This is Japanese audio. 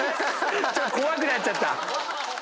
怖くなっちゃった。